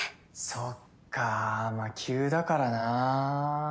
そっかまあ急だからな。